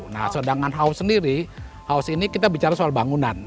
nah sedangkan house sendiri house ini kita bicara soal bangunan